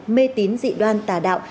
mê tín dị đoan tà đạo